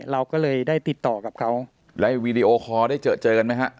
เราก็เลยได้ติดต่อกับเขาแล้ววีดีโอคอร์ได้เจอเจอกันไหมฮะ